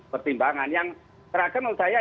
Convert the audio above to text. pertimbangan yang terakhir menurut saya